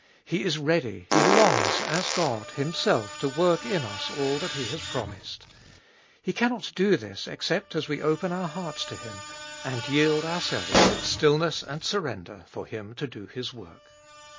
He is ready, He longs, as God, Him self to work in us all that He has promised. He cannot do this except as we open our hearts to Him, and yield ourselves in stillness and surrender for Him to do His work.